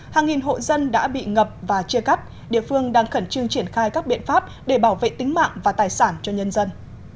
hàng nghìn hộ dân đã bị ngập và chia cắt địa phương đang khẩn trương triển khai các biện pháp để bảo vệ tính mạng và tài sản cho nhân dân